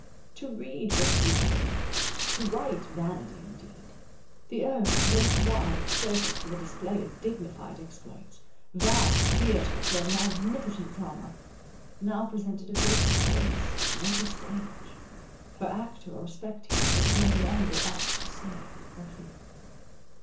To read were futile—to write, vanity indeed. The earth, late wide circus for the display of dignified exploits, vast theatre for a magnificent drama, now presented a vacant space, an empty stage—for actor or spectator there was no longer aught to say or hear.